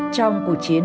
trong cuộc chiến